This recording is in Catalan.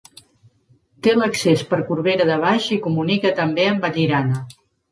Té l'accés per Corbera de Baix i comunica també amb Vallirana.